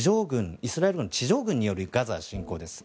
イスラエルの地上軍によるガザへの侵攻です。